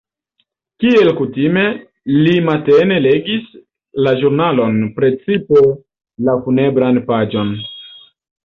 Kiel kutime, li matene legis la ĵurnalon, precipe la funebran paĝon.